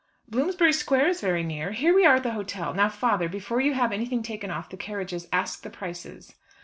"Bloomsbury Square is very near. Here we are at the hotel. Now, father, before you have anything taken off the carriages, ask the prices."